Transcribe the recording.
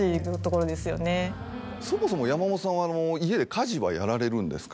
そもそも山本さんは家で家事はやられるんですか？